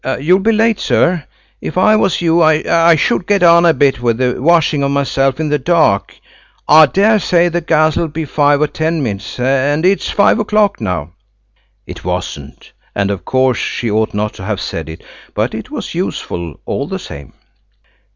You'll be late, sir. If I was you I should get on a bit with the washing of myself in the dark. I daresay the gas'll be five or ten minutes, and it's five o'clock now." It wasn't, and of course she ought not to have said it, but it was useful all the same.